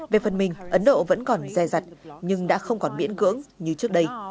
về phần mình ấn độ vẫn còn dè dặt nhưng đã không còn miễn cưỡng như trước đây